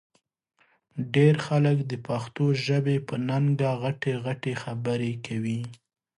ډېر خلک د پښتو ژبې په ننګه غټې غټې خبرې کوي